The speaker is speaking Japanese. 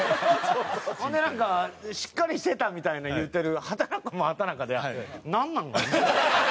ほんでなんかしっかりしてたみたいな言うてる畠中も畠中でなんなん？